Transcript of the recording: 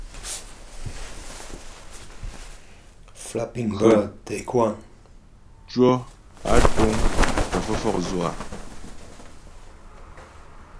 Krəcwɔ́ á túŋ tə́ fə́ fɔkdzʉ á ?